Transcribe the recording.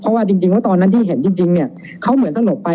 เพราะว่าจริงแล้วตอนนั้นที่เห็นจริงเนี่ยเขาเหมือนสลบไป